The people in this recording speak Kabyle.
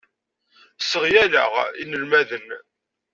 Sseɣyaleɣ inelmaden.